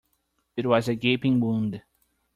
It was a gaping wound.